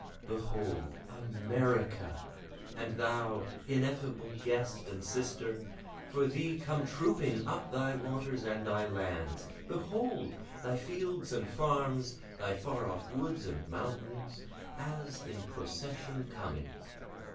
Behold, America! (and thou, ineffable guest and sister!) For thee come trooping up thy waters and thy lands; Behold! thy fields and farms, thy far off woods and mountains, As in procession coming.